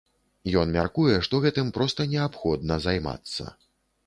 Ён мяркуе, што гэтым проста неабходна займацца.